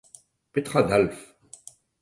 Petra a dalv ?